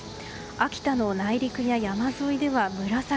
秋田の内陸や山沿いでは紫。